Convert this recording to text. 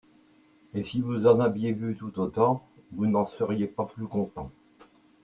Et si vous en aviez vu tout autant vous n'en seriez pas plus content.